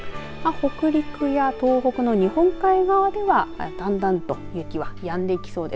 北陸や東北の日本海側ではだんだんと雪はやんできそうです。